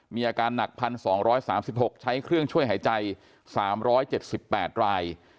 มีอาการหนัก๑๒๓๖ใช้เครื่องช่วยหายใจ๓๗๘ราย